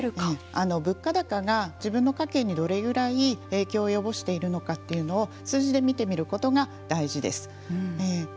物価高が自分の家計にどれぐらい影響を及ぼしているのかというのを数字で見てみることが大事です。